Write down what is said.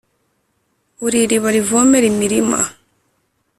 Uri iriba rivomera imirima,